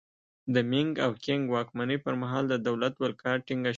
د مینګ او کینګ واکمنۍ پرمهال د دولت ولکه ټینګه شوه.